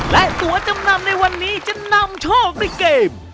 และตัวจำนำในวันนี้จะนำโชคด้วยเกม